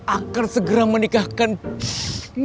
akan segera menikahkanmu